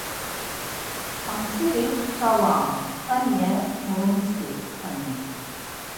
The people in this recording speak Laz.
Amseri tuta va on, tani e murutsxi tani.